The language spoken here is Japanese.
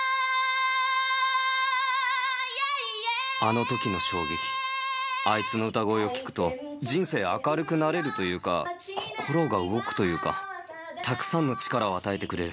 あのときの衝撃、あいつの歌声を聴くと、人生明るくなれるというか、心が動くというか、たくさんの力を与えてくれる。